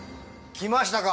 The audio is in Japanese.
きましたか！